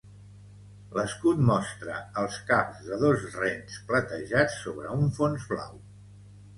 L'escut mostra els caps de dos rens platejats sobre un fons blau.